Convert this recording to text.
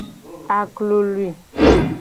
Aklului.